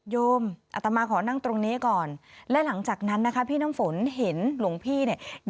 โยมอัตมาขอนั่งตรงนี้ก่อนและหลังจากนั้นนะคะพี่น้ำฝนเห็นหลวงพี่เนี่ย